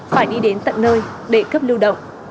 phải đi đến tận nơi để cấp lưu động